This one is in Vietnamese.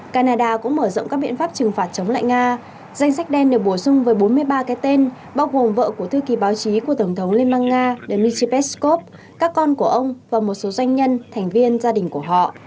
canada cũng mở rộng các biện pháp trừng phạt chống lại nga danh sách đen được bổ sung với bốn mươi ba cái tên bao gồm vợ của thư ký báo chí của tổng thống liên bang nga dmitry peskov các con của ông và một số doanh nhân thành viên gia đình của họ